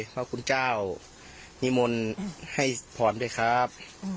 พระคุณเจ้านิมนต์ให้พรด้วยครับ